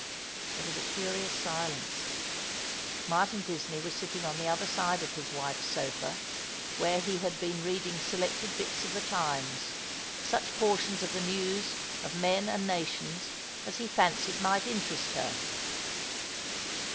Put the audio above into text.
There was a curious silence. Martin Disney was sitting on the other side of his wife's sofa, where he had been reading selected bits of the Times, such portions of the news of men and nations as he fancied might interest her.